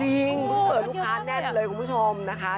เพิ่งเปิดลูกค้าแน่นเลยคุณผู้ชมนะคะ